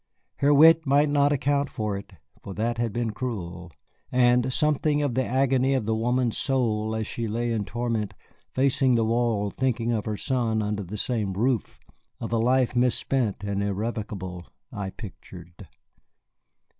Her wit might not account for it, for that had been cruel. And something of the agony of the woman's soul as she lay in torment, facing the wall, thinking of her son under the same roof, of a life misspent and irrevocable, I pictured.